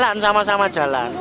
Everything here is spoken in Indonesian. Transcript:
jalan sama sama jalan